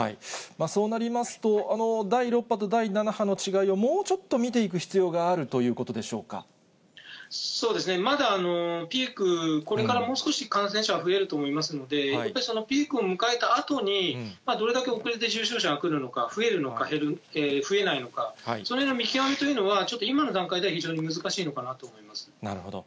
そうなりますと、第６波と第７波の違いをもうちょっと見ていく必要があるというこまだピーク、これからもう少し感染者は増えると思いますので、ピークを迎えたあとに、どれだけ遅れて重症者が来るのか、増えるのか増えないのか、そのへんの見極めというのは、ちょっと今の段階では非常に難しなるほど。